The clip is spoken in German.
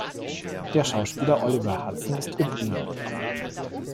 Der Schauspieler Oliver Hudson ist ihr Bruder.